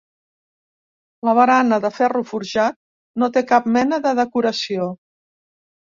La barana, de ferro forjat, no té cap mena de decoració.